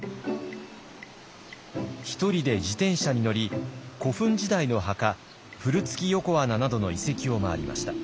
１人で自転車に乗り古墳時代の墓古月横穴などの遺跡を回りました。